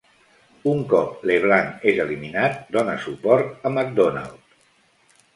Un cop LeBlanc és eliminat, dona suport a MacDonald.